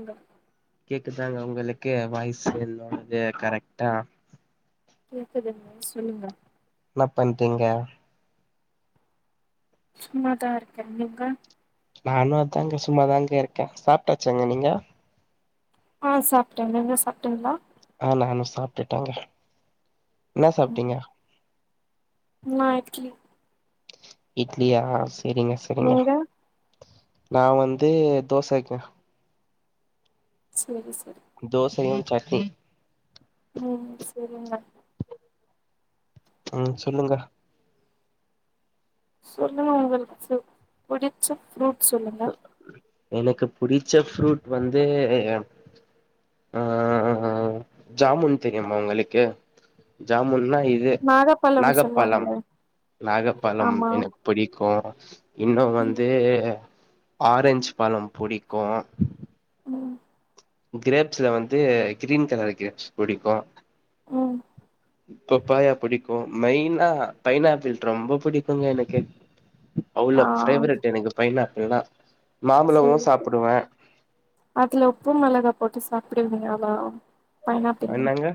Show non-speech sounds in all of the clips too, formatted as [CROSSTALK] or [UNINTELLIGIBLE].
ங்க கேக்குதாங்க உங்களு கு வாய்ஸ் என்னோடது கரெக்டா கேக்குதுங்க சொல்லுங்க என்ன பண்றீங்க சும்மாதாருக்க நீங்க நானு அதாங்க சும்மாதாங்க இருக்க சாப்டாச்சாங்க நீங்க ஆஹ் சாப்டேங்க நீங்க சாப்டிங்ளா ஆஹ் நானும் சாப்பட்டுட்டாங்க என்ன ம் சாப்பிட்டீங்க நா இட்லி இட்லியா சரிங்க சரிங்க நீங்க நான் வந்து தோசங்க சரி சரி தோசையும் சட்னி உம் சரிங்க உஹம் சொல்லுங்க சொல்லு உங்களுக்கு பிடிச்ச ஃப்ரூட் சொல்லுங்க ஆஹ எனக்கு பிடிச்ச ஃப்ரூட் வந்து ஆஹ ஜாமுன் தெரியுமா உங்களுக்கு ஜாமுன்ன்னா இது நாகப்பழம் நாகப்பழம் சொல்லுவாங்கள நாகப்பழம் ஆமா எனக்கு பிடிக்கும் உ இன்னும் வந்து ஆரஞ்சு பழம் புடிக்கும் உம் கிரேப்ஸ்ல வந்து கிரீன் கலர் கிரேப்ஸ் படிக்கும் ம் பப்பாயா புடிக்கும் மெயினா பைனாப்பிள் ரொம்ப பிடிக்குங்க எனக்கு ஆ அவ்ளோ பேவரட் எனக்கு பைனா விழா சரி அதுல உப்பும் மிலகா போட்டு சாப்ப அப்படியா ஆமா பைனாப்பில்ல என்னங்க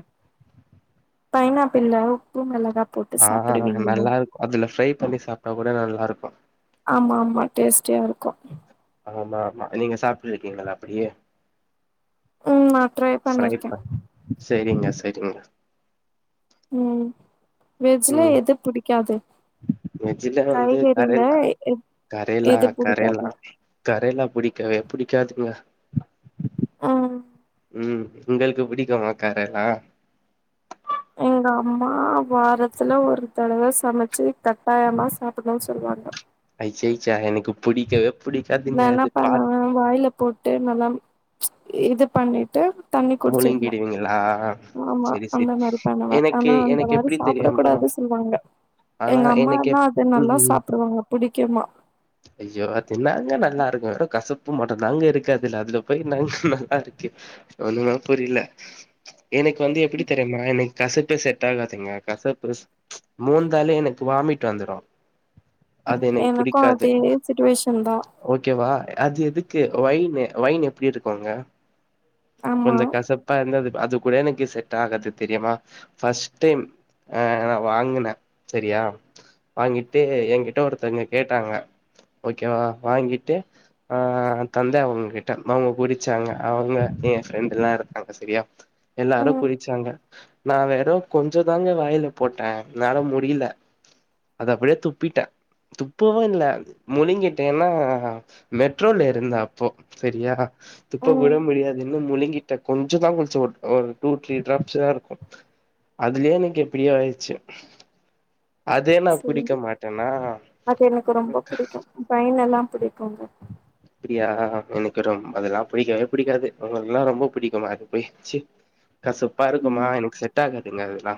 பைனப்பில்ல உப்பு மிளகா ஆஹ் நல்லா இருக்கும் அதுல ஃப்ரை பண்ணி சாப்பிட்டா கூட நல்லா இருக்கும் ஆஹ ஆமா ஆமா டேஸ்டியா இருக்கும் ஆமா ஆமா நீங்க சாப்பிட்டு இருக்கீங்களா அப்படியே உம் ந ட்ரரை பண்ணிருக்கேன் சரிங்க சரிங்க உம் உம் மெஜ்ல வந்து காய்கறில கரலா எ கரலா எது புடிக்காது கரலா கரேலா புடிக்கவே புடிக்காதுங்க ஆ உம் உங்களுக்கு பிடிக்கும்மாக்காரல்லாம் எங்க அம்மா வாரத்துல ஒரு தடவ சமச்சு கட்டாயமா சாப்புட்ன்னு சொல்வாங்க ஐயய எனக்கு புடிக்கவே புடிக்காதுங்க நான் என்ன அது பாத் பண்ணுவேன் வாயில போட்டு போட்டு நல்லா இது பண்ணி ட்டு தண்ணி குடிச்சிக்கலா முழுங்கிடுவீங்களா ஆமா செரி செரி அந்த மாரி பண்ணுவே எனக்கு ஆனா அந்த எனக்கு மாரி எப்டி சாப்பிட தெரியுமா கூடாது சொல்லுவாங்க ஆனா எங்க எனக்கு அம்மானா எப் அது நல்லா ம் சாப்பிடுவாங்க பி கிம்மா உப்பு மட்டும் தாங்க இருக்கு அதுல அதுல போய் என்னாங்க நல்லா இருக்கு ஒண்ணுமே புரில எனக்கு வந்து எப்டி தெரியுமா எனக்கு கசப்பே செட் ஆகாதுங்க கசப்பு மோந்தாலே எனக்கு வாமிட் வந்துடு எனக்கும் ஓகேவா அது எதுக்கு வைங்க வைன் எப்டி இருக்குங்க ஆமா கொஞ்சோ கசப்பா இருந்தது அது கூட எனக்கு செட் ஆகாது தெரியுமா ஃபர்ஸ்ட் டைம் ஆ நா வாங்கினே செரியா வாங்கிட்டு என்கிட்ட ஒருத்தங்க கே ட்டாங்க ஓகே வா வாங்கிட்டு ஆ தந்தே அவுங்க கிட்ட அவுங்க குடிச்சாங்க அவுங்க என் ஃப்ரெண்ட் தா செரியா எல்லாரு ம் குடிச்சாங்க நா வெறும் கொஞ்ச தாங்க வாய்ல போட்டே என்னால முடில அத அப்டியே துப்பிட்டே துப் துப்பவு இல்ல முழுங்கிட்டே ஏன்னா மெட்ரோல்லருந்தே அப்போ செரியா துப்ப கூட ம் முடியாதுன்னு முழுங்கிட்டே கொஞ்ச தா குடிச்சே ஆ ஒரு டூ த்ரீ டிராப்ஸ் தா இருக்கு அதுலயே எனக்கு எப்டியோ ஆயிடுச்சு அதே நா குடிக்க மாட்டேனா எனக கு ரொம்ப பிடிக்கும் பய எல்லா பிடிக்குங்க யா எனக்கு ரொம்ப அதெல்லா பிடிக்கவே பிடிக்காது உங்களுக்கெல்லா ரொம்ப பிடிக்குமா அது போயி ச்சீ கசப்பா இருக்குமா ம் எனக்கு செட் ஆகாதுங்க அதெல்லா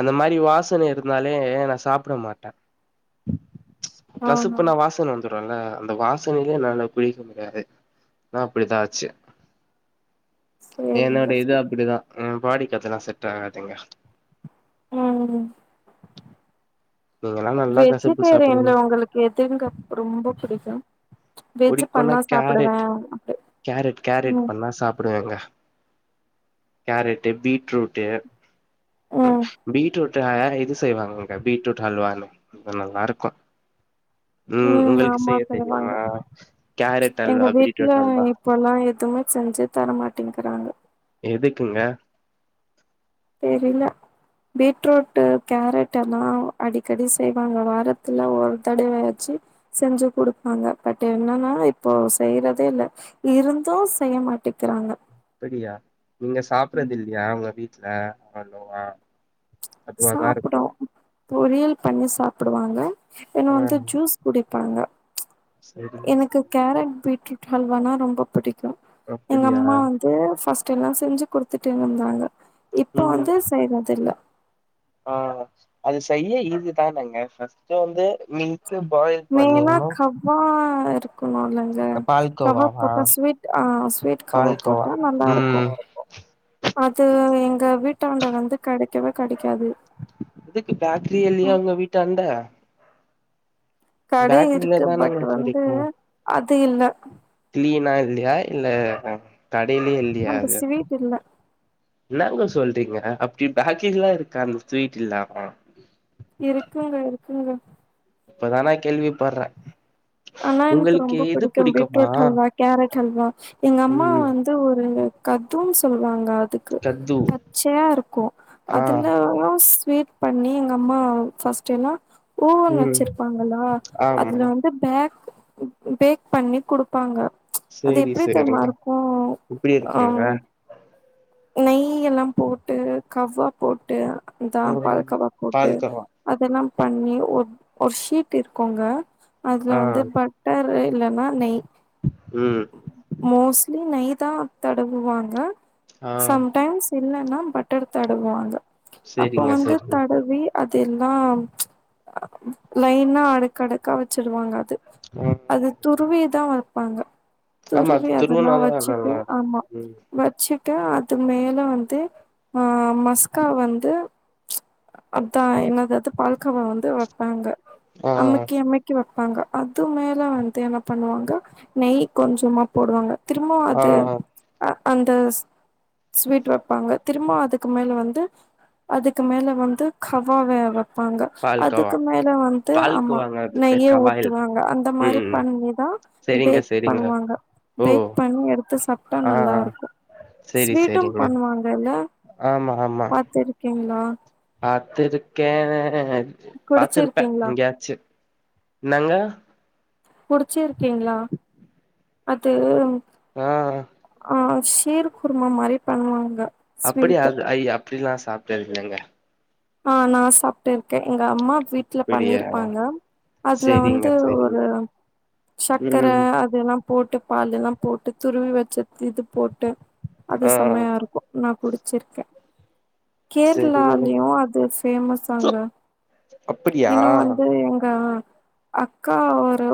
அந்த மாரி வாசனை இருந்தாலே நா சாப்பிட மாட்டே ஆ கசுக்குன வாசன வந் துரும்ல அந்த வாச வாசனைலேயே என்னால குடிக்க முடியாது நா அப்டிதா ஆச்சு சேரிங்க என்னோடைய இது சேரிங்க அப்டிதா என் பாடி அதெல்லா செட் ஆகாதுங்க ம் நீங்கல்லா நல்லா கசப்பு சாப்டுவீங்க வெஜ்டேரியன்ல ஒங்களுக்கு எதுங்க ரொம்ப பிடிக்கும் புடிக்கோனா கேரட் அப்டி கேரட் கேரட் ம் பண்ணா சாப்பிடுவேங்க கேரட்டு பீட்ரூட்டு ம் பீட்ரூட் ல இது செய்வாங்க பீட்ரூட் ஹல்வானு நல்லா இருக்கும் ம் அம்மா செய்வாங்க கேரட் எங்க அல்வா வீட்ல பீட்ரூட் அல்வா இப்பெல்லா எதுவுமே செஞ்சு தரமாட்டே கிறாங்க எதுக்குங்க தெரில பீட்ரூட்டு் கேரட்டெல்லா அடிக்கடி செய்வாங்க வாரத்துல ஒரு தடவயாச்சு செஞ்சு குடுப்பாங்க பட் என்னனா இப்போ செய்றதே இல்ல இருந்து செய்ய மாட்டேக்கிறாங்க அப்படியா நீங்க சாப்புறது இல்லையா அவுங்க வீட் ல அவ்ளோவா அதுவாதா இருக்கு சாப்பிடும் பொரியல் பண்ணி சாப்பிடுவாங்க என்ன ஆ வந்து ஜூஸ் குடிப் பாங்க சரிங்க எனக்கு சரிங்க கேரட் பீட்ரூ ஹல்வானா ரொம்ப புடிக் கு எங்க அப்படியா அம்மா வந்து ஃபஸ் எல்லா செஞ்சு கொடுத்துட்டே இருந்தாங்க இப்ப வந்து செய்யறது இல்ல ஆஹ் அது செய்ய ஈஸி தானங்க ஃபஸ்ட் வந்து மீ மேனா கவ்வா வேற க்குனுல்லங்க, கவாப் பால்கோவாவா போட்டா ஸ்வீட் அ ஸ்வீட் கவாப் பால்கோவா போட்டா நல்லா இருக்கு. ம் அது எங்க வீட் வீட்டாண்ட வந்து கெடைக்கவே கெடைக் இதுக்கு பேக்கரி இல்லையா உங்க வீட்டாண்ட கடை பேக்கரில இருக்கு தானங்க பட் வந்து கெடைக்கு அது த்து இல்ல கீனா இல்லையா இல்ல கடையிலே இல்லையா அந்த அது ஸ்வீட் இல்ல இன்னாங்க சொல் அப்டிங்களா, அப்டி பேக்ரி எல்லா இருக்கா அந்த ஸ்வீட் இல்லாம இருக்குங்க இருக்குங்க இப்பதா நா கேள்விப்படுறே ஆனா எனக்கு ரொம்ப பிடிக்கு பீட்ரூட் அல்வா கேரட் அல்வா எங்க அம்மா ம் வந்து ஒரு கத்துன் சொல்லுவாங்க அ துக்கு கத்து பச்சையா இருக்கு ஆ அதுல ஸ்வீட் பண்ணி எங்க அம்மா ஃபஸ்ட் டைமா ஓவன் ம் வச்சிருப்பாங்களா ஆமா அதுல வந்து பேக் பேக் பண்ணி குடுப்பாங்க அது சேரி எப்டி தெர்மா சேரிங்க இருக்கு இப்டி இருக்குங்க அஹ் நெய் எல்லா போட்டு கவ்வா போட்டு தான் ம் பால்கவா போட்டு பால்கோவா அதெல்லாம் பண்ணி ஒரு ஒரு ஷீட் இருக்குங்க அதுல ஆ வந்து பட்டரு இல்லனா நெய் ம் மோஸ்லி நயிர் தா தடவுவாங்க ஆ சம் டைம்ஸ் இல்லன்னா பட்டர் தடுவுவாங்க அப்ப சேரிங்க வந்து சேரிங்க தடவி அது எல்லா லைனா அடக்கு அடக்கா வச்சிருவாங்க ம் அது துருவிதா வர் பாங்க ஆமா அது துருவி அதெல்லா துருவுனாதா வச்சுட்டு நல்லா ஆமா இருக்கு ம் வச்சி மேல வந்து அ மஸ்கா வந்து அதா என்னாதது பால்கவா வந்து வ வாங்க ஆ அம்மக்கி அம்மக்கி வரு பாங்க அது மேல வந்து என்ன பண்ணுவாங்க நெய் கொஞ்சமா போடுவாங்க திரும்பவு ஆ அது அ அந்தஸ் ஸ்வீட் வெப்பாங்க திரும்ப அதுக்கு மேல வந்து அதுக்கு மேல வந்து கவா வே வ பாங்க பால்கோவா அதுக்கு மேல வந்து ஆமா பால்கோவாங்க அது பேர் நய்யே கவா இல்ல ஊத்துவாங்க அந்த ம் மாரி ம் பண்ணிதா சேரிங்க பேக் சேரிங்க பண்ணுவாங்க ஓ பேக் பண்ணி எடுத்து சாப்ட்டா ஆ ஆ நல்லாருக்கு சேரி ஸ்வீட் டு சேரிங்க பண்ணுவாங்கல்ல பாத்துருக் ங்ளா பாத்துருக்கே பாத்துருப்பே குடிச்சிருக்கீங்களா எங்யாச்சு இன்னங்க குடிச்சிருக்கீங்ளா அது ஆ அ ஷீர்க் குருமா மாரி பண்ணுவாங்க அப்படியா ஸ்வீட் அது ஐயாப் அப்டில்லா சாப்ட்டது இல்லங்க ஆ நா சாப்ட்டு இருக்கே எங்க அம்மா வீட்ல அப்டியா பண்ணிருப்பாங்க அதுல வந்து சேரிங்க சேரிங்க ஒரு சக்கர ம் அதெல்லா போட்டு பாகுல்லா போட்டு துருவி வெச்ச இது போட்டு அது ஆ செமையா இருக்கு நா குடி ச்சிருக்கே சேரிங்க கேரளாலயு அ து பேமஸ்ஸாங்க அப்படியா இன்னு வந்து எங்க ஆ அக்கா ஒரு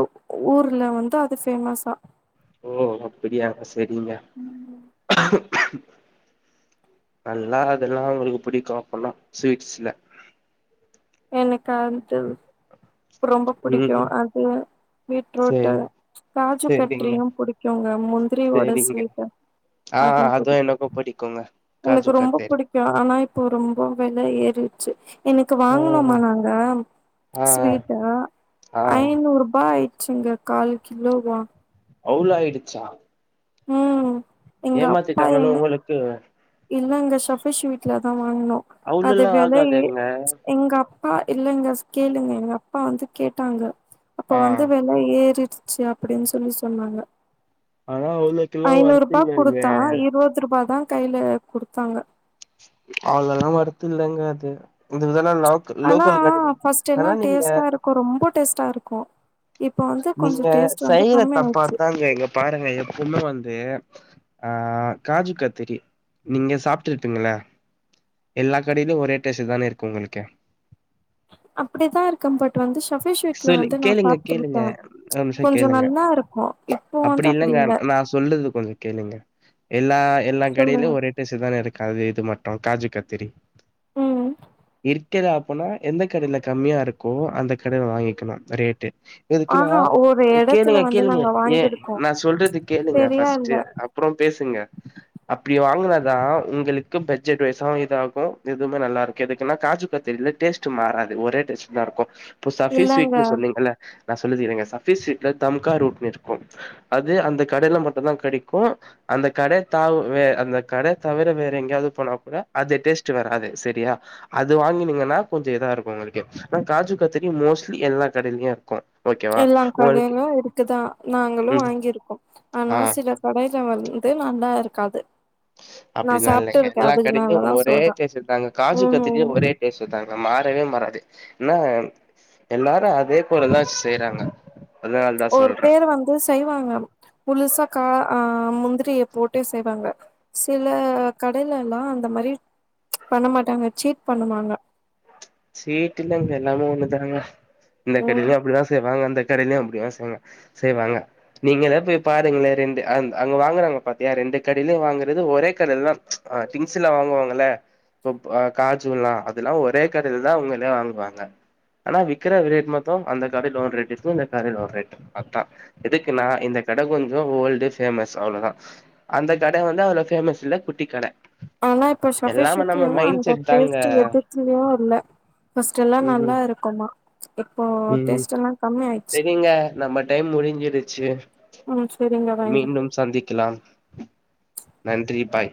ஊர்ல வந்து அது பேமசா ஓ அப்படியா சேரிங்க நல்லா அதெல்லா அவங்களுக்கு புடிக்கு அப்பனா ஸ்வீட்ஸ்ல எனக்கு வந்ட்டு ரொம்ப பிடிக்கு ம் அது பீட்ரூட்டு சரி சரிங்க காஜூகட்ரியு பிடிக்குங்க முந்திரியோட சரிங்க ஸ்வீட் ஆ அது அதுவு பிடிக்கு. எனக்கு பிடிக்குங்க எனக்கு காஜு ரொம்ப கத்தேரி புடிக்கு ஆனா இப்போ ரொம்ப வெல ஏறி எனக் வாங்க்னோமா ம் நாங்க ஆ ஸ்வீட்ட ஆ ஐநூறுபாய் ஆச்சிங்க கால் கிலோ வா அவ்ளோ ஆயிடுச்சா உம் ஏமாத்திட்டாங்களோ உங்களுக்கு இல்லங்க சபேஸ்வீட்ல தா வாங்க்னோ அது அவ்ளோல்லா வெல ஏ ஆகாதுங்க எங்கப் ஆ இல்லங்க கேளுங்க எங்க அப்பா வந்து கேட்டாங்க அப்ப ஆ வந்து வெல ஏறி ச்சு அப்டின் சொல்லி சொன்னாங்க ஆனா அவ்ளோக்கெல்லா வொர்த் ஐநூறுபா இல்லங்க குடுத்தா இருபத்ரூபாதா கைல குடுத்தாங்க அவ்ளால்லா வொர்த்தில்லங்க அது இந்த ஆனா பர்ஸ்ட் எல்லா நீங்க டேஸ்ட்டாருக்கு ரொம்ப டேஸ்ட் டாருக்கு இப்போ வந்து கொஞ்சோ நீங்க செய்ற ஆயிடுச்சு தப்பாதாங்க இங்க பாருங்க எப்பவுமே வந்து ஆஹ் காஜு கத்திரி நீங்க சாப்பிட்ருப்பீங்களா எல்லா கடயிலு ஒரே டேஸ்ட்டுதானேருக்கு உங்களுக்கு அப்டிதாருக்கு பட்டு் வந்து ஷஃபிஷ் வீட்ல சொல்லு வந்து நா கேளுங்க கேளுங்க சாப்ட்டுருக்கே ஒரு நிமிஷ கொஞ்சோ கேளுங்க நல்லா இருக்கு இப்போ வந்து அப்டி அப்டியில்லங்க இல்ல நா சொல்றது கொஞ்ச கேளுங்க எல்லா எல்லா கடய்லு சொல்லுங்க ஒரு டேஸ்ட் தானருக் க இது மட்டு காஜு கத்திரி ம் இருக் கிது அப்பனா எந்த கடயில கம்மியாருக்கோ அந்த கடயில வாங்கிலா ரேட்டு எதுக்குனா ஆஹா ஒரு எடத்துல கேளுங்க வந்து கேளுங்க நாங்க ஏன் வாங்கிருக்கோ நா சொல்றது கேளுங்க சரியா இல்ல ஃபஸ்ட்டு அப்ற பேசுங்க அப்டி [UNINTELLIGIBLE] அதா உங்களுக்கு பட்ஜெட் வைஸ்சு இதாகு இதுவுமே நல்லாருக்கு எதுக்குனா காஜு கத்திரில டேஸ்ட் மாறாது ஒரே டேஸ்ட் தாருக்கு இப்போ சஃபி இல்லங்க ஸ்வீட்ன்னு சொன்னீங்கல்ல நா சொல்லி [UNINTELLIGIBLE] இருங்க சஃபி ஸ்வீட்ல தம்கா ரூட் இருக்கு அது அந்த கடைல மட்டுதா கெடைக்கு அந்த கட த வே அந்த கட தவிர வேற எங்யாது போனா கூட அது டேஸ்ட் வராது சரியா அது வாங்கினீங்கனா கொஞ்சோ இதாருக்கோ உங்ளுக்கு ஆனா காஜு கத்ரி மோஸ்ட்லி எல்லா கடைலயு இருக்கு ஓகேவா எல்லா உங்களுக்கு கடைலியு இருக்குதா நாங்களு ம் வாங்கியிருக்கோ ஆனா ஆ சில கடைல வந்து நல்லாருக் காது அப்டிலா இல்லைங்க எல்லா கடைக்கு ஒரே சொல்றே டேஸ்ட்டுத்தாங்க காஜு ம் கத்திரில ம் ஒரே டேஸ்ட்தாங்க மாறவே மாறாது என்னா எல்லாரு அதே போலதா செய்றாங்க அதனால தா ஒரு சொல்றே பேர் வந்து செய்வாங்க முழுசா கா ஆ ஆ முந்திரிய போட்டு செய்வாங்க சில கடைலலா அந்த மாரி பண்ண மாட்டாங்க சீட் பண்ணுவாங்க சீட்டுல்லங்க எல்லாமே ஒண்ணுதானுங்க இந்த ம் கடைலயு அப்படிதா [UNINTELLIGIBLE] அந்த கடைலயு அப்டி தா செய்ங்க செய்வாங்க நீங்களே போய் பாருங்களே ரெண்டு அங் அங்க வாங்குறாங்க பாத்தியா ரெண்டு கடையிலு வாங்குறது ஒரே கடைல தா ஆ திங்க்ஸ்லா வாங்குவாங்கல இப்ப ப காஜுலா அதெல்லா ஒரே கடைல தா அவுங்களே வாங்குவாங்க ஆனா விக்கிற ரேட் மத்தோ அந்த கடைல ஒரு ரேட் க்கு இந்த கடைல ஒரு ரேட் க்கு அதா எதுக்குன்னா இந்த கட கொஞ்சோ ஓல்ட்டு ஃபேமஸ் அவ்ளோதா அந்த கட வந்து அவ்ளோ ஃபேமஸ் இல்ல குட்டி கட ஆனா இப்போ எல்லாமே நம்ம [UNINTELLIGIBLE] மைண்ட் அந்த செட் தாங்க பேஸ்ட்டு எதுக்கு திவா இல்ல ஃபர்ஸ்ட் எல்லா ம் நல்லாருக்குமா இப்போ ம் டேஸ்ட் எல்லா கம்மி ஆயி செரிங்க நம்ம டைம் முடி முடிஞ்சிருச்சு ம் சரிங்க வைங்க மீண்டும் சந்திக்கலாம் நன்றி பாய்